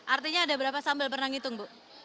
artinya ada berapa sambel pernah ngitung bu